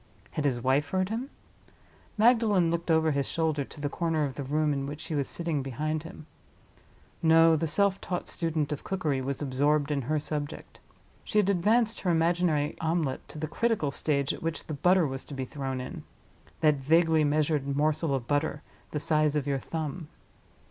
Had his wife heard him? Magdalen looked over his shoulder to the corner of the room in which she was sitting behind him. No: the self taught student of cookery was absorbed in her subject. She had advanced her imaginary omelette to the critical stage at which the butter was to be thrown in—that vaguely measured morsel of butter, the size of your thumb.